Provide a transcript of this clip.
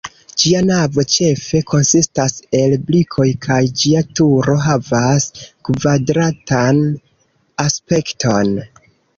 Ĝia navo ĉefe konsistas el brikoj, kaj ĝia turo havas kvadratan aspekton.